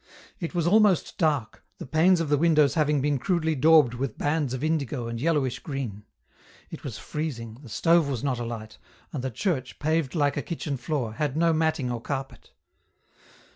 EN ROUTE. 47 It was almost dark, the panes of the windows having been crudely daubed with bands of indigo and yellowish green ; it was freezing, the stove was not alight, and the church, paved like a kitchen floor, had no matting or carpet.